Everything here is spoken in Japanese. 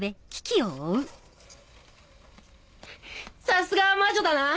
さすがは魔女だな